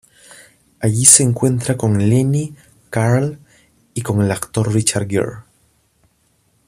Allí se encuentra con Lenny, Carl y con el actor Richard Gere.